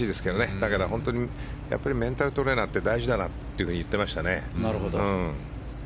だからメンタルトレーナーって大事だなって言ってましたね。